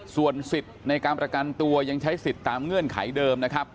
ส่วนสิทธิ์ในการประกันตัวยังใช้สิทธิ์ตามเงื่อนไขเดิมนะครับ